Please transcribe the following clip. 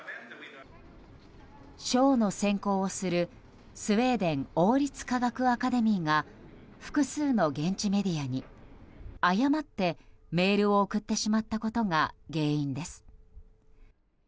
賞の選考をするスウェーデン王立科学アカデミーが複数の現地メディアに、誤ってメールを送ってしまったことが原因です。